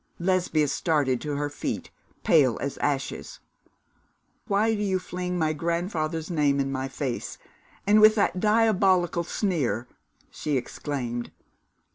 Lesbia started to her feet, pale as ashes. 'Why do you fling my grandfather's name in my face and with that diabolical sneer?' she exclaimed.